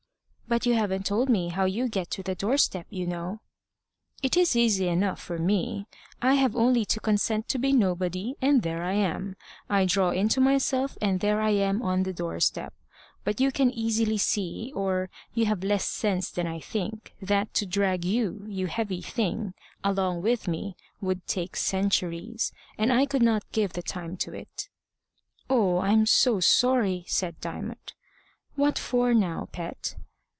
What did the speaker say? "But you haven't told me how you get to the doorstep, you know." "It is easy enough for me. I have only to consent to be nobody, and there I am. I draw into myself and there I am on the doorstep. But you can easily see, or you have less sense than I think, that to drag you, you heavy thing, along with me, would take centuries, and I could not give the time to it." "Oh, I'm so sorry!" said Diamond. "What for now, pet?"